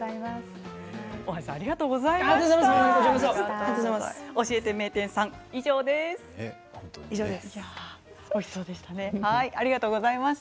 大橋さんありがとうございました。